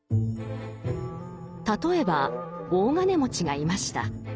例えば大金持ちがいました。